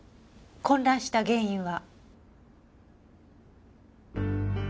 混乱した原因は？